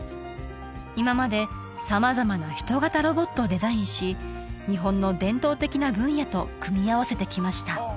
今まで様々な人型ロボットをデザインし日本の伝統的な分野と組み合わせてきました